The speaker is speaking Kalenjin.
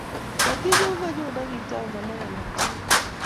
Matinyo konnyu akitau ngalek alaktugul